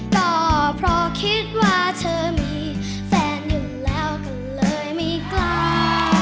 ก็เพราะคิดว่าเธอมีแฟนหนึ่งแล้วก็เลยไม่กล้า